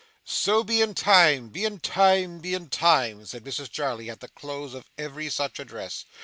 'So be in time, be in time, be in time,' said Mrs Jarley at the close of every such address.